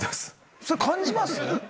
それ感じます？